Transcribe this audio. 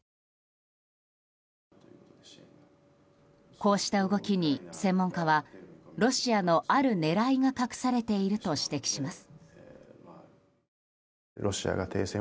こうした動きに専門家はロシアのある狙いが隠されていると指摘します。